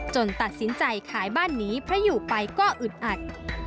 ตัดสินใจขายบ้านนี้เพราะอยู่ไปก็อึดอัด